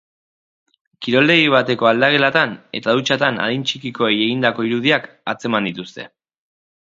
Kiroldegi bateko aldagelatan eta dutxatan adin txikikoei egindako irudiak atzeman dituzte.